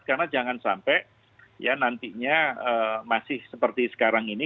karena jangan sampai ya nantinya masih seperti sekarang ini